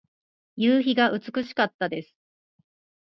夕日が美しかったです。